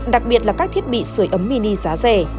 đặc biệt là các thiết bị sửa ấm mini giá rẻ